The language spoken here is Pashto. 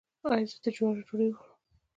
ایا زه د جوارو ډوډۍ وخورم؟